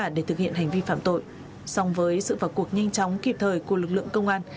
để thực hiện hành vi phạm tội song với sự vào cuộc nhanh chóng kịp thời của lực lượng công an